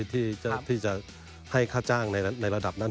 ที่จะให้ค่าจ้างในระดับนั้น